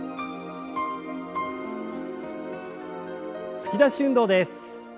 突き出し運動です。